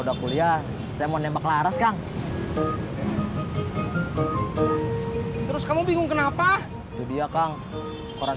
udah kuliah saya mau nembak laras kang terus kamu bingung kenapa itu dia kang orang